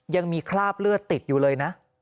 ยังมีคราบเลือดติดอยู่เลยนะ